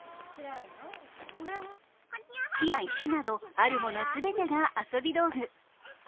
木や石などあるもの全てが遊び道具。